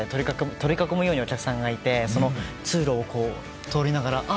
取り囲むようにお客さんがいてその通路を通りながらあ！